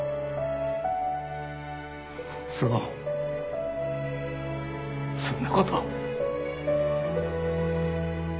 そうそんなこと